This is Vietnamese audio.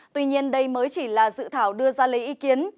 tuy nhiên đây mới chỉ là dự thảo đưa ra lấy ý kiến